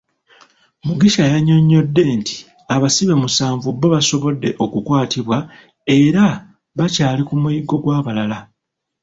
Mugisha yannyonnyodde nti abasibe musanvu bbo basobodde okukwatibwa era nga bakyali ku muyiggo gw'abalala.